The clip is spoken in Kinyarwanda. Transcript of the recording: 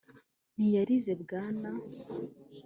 ntiyarize bwana,